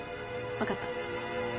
分かった。